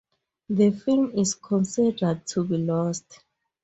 The film is considered to be lost.